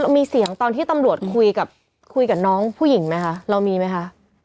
มีเสียงตอนที่ตำรวจคุยกับคุยกับน้องผู้หญิงไหมคะเรามีไหมคะ